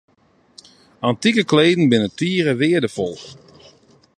Antike kleden binne tige weardefol.